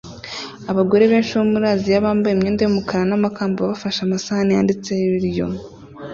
Abagore benshi bo muri Aziya bambaye imyenda yumukara namakamba bafashe amasahani yanditseho ibiryo